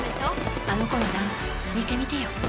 あの子のダンス見てみてよ。